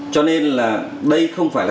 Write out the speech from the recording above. cho nên là đây không phải là